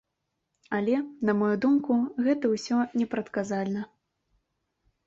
Але, на маю думку, гэта ўсё непрадказальна.